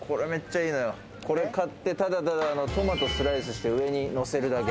これを買ってトマトをスライスして上にのせるだけ。